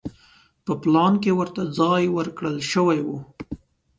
په پلان کې ورته ځای ورکړل شوی و.